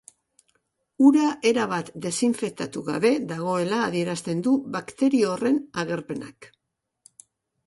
Ura erabat desinfektatu gabe dagoela adierazten du bakterio horren agerpenak.